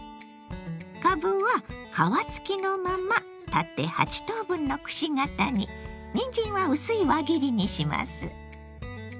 かぶは皮付きのまま縦８等分のくし形ににんじんは薄い輪切りにします。